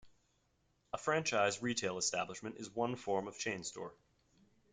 A franchise retail establishment is one form of chain store.